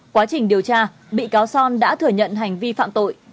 quá trình điều tra bị cáo son đã thừa nhận hành vi phạm tội